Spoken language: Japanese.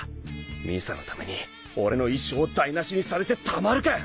美佐のために俺の一生台無しにされてたまるかよ！